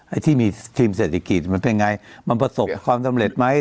ไอ้ที่มีทีมเศรษฐกิจมันเป็นไงมันประสบความสำเร็จไหม